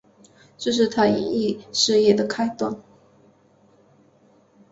这是她演艺事业的开端。